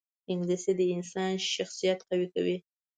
انګلیسي د انسان شخصیت قوي کوي